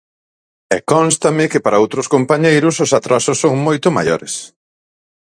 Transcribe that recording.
E cónstame que para outros compañeiros os atrasos son moito maiores.